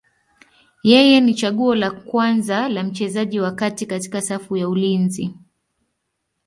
Yeye ni chaguo la kwanza la mchezaji wa kati katika safu ya ulinzi.